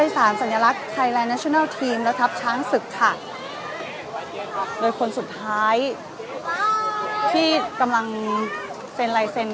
สารสัญลักษณ์ไทยแลนแชนัลทีมและทัพช้างศึกค่ะโดยคนสุดท้ายที่กำลังเซ็นลายเซ็น